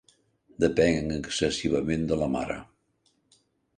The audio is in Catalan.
Depenc excessivament de la mare.